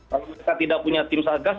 kalau mereka tidak punya tim satgas